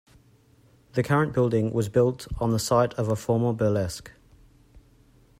The current building was built on the site of a former burlesque.